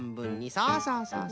そうそうそうそう。